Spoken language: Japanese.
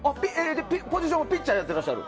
ポジションはピッチャーやってらっしゃる？